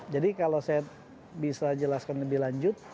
jadi kalau saya bisa jelaskan lebih lanjut